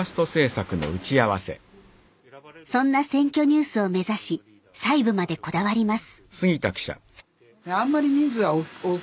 そんな「選挙ニュース」を目指し細部までこだわります。